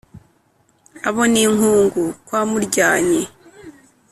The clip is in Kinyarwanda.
abo ni inkungu kwa muryanyi